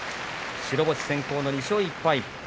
白星先行の２勝１敗。